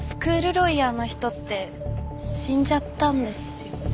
ロイヤーの人って死んじゃったんですよね？